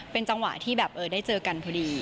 เป็นจังหวะที่แบบได้เจอกันพอดี